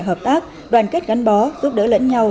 hợp tác đoàn kết gắn bó giúp đỡ lẫn nhau